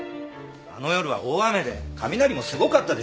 あの夜は大雨で雷もすごかったでしょ？